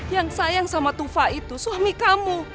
yang sayang sama tufa itu suami kamu